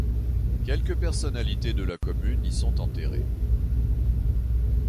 Quelques personnalités de la commune y sont enterrées.